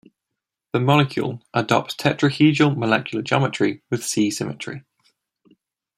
The molecule adopts tetrahedral molecular geometry with C symmetry.